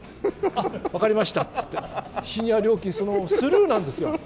あっ、分かりましたって言って、シニア料金、そのままスルーなんですよ。